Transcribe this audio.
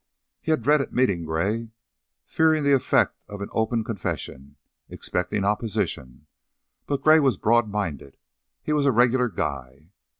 He had dreaded meeting Gray, fearing the effect of an open confession, expecting opposition, but Gray was broad minded, he was a regular guy.